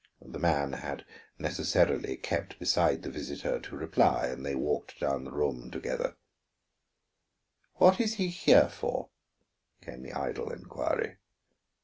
The man had necessarily kept beside the visitor to reply, and they walked down the room so together. "What is he here for?" came the idle inquiry.